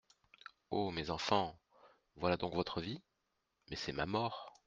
O mes enfants ! voilà donc votre vie ? Mais c'est ma mort.